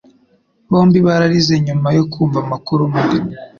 Bombi bararize nyuma yo kumva amakuru mabi